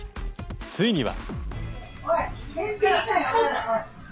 ついには。